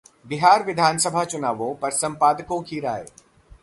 बिहार विधानसभा चुनावों पर संपादकों की राय